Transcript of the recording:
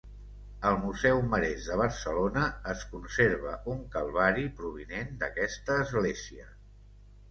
Al Museu Marès de Barcelona es conserva un Calvari provinent d'aquesta església.